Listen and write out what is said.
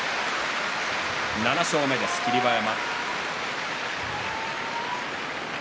７勝目です、霧馬山。